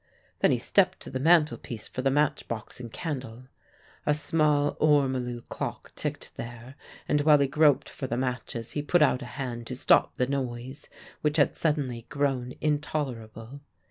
Then he stepped to the mantelpiece for the match box and candle. A small ormolu clock ticked there, and while he groped for the matches he put out a hand to stop the noise, which had suddenly grown intolerable.